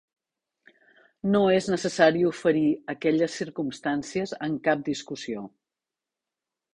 No és necessari oferir aquelles circumstàncies en cap discussió.